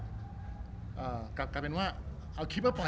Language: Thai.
รูปนั้นผมก็เป็นคนถ่ายเองเคลียร์กับเรา